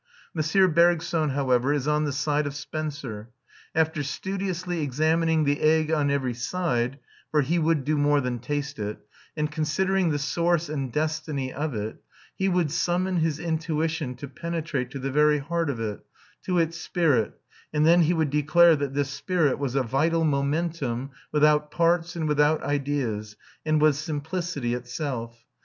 M. Bergson, however, is on the side of Spencer. After studiously examining the egg on every side for he would do more than taste it and considering the source and destiny of it, he would summon his intuition to penetrate to the very heart of it, to its spirit, and then he would declare that this spirit was a vital momentum without parts and without ideas, and was simplicity itself.